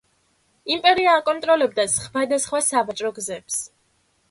იმპერია აკონტროლებდა სხვა და სხვა სავაჭრო გზებს.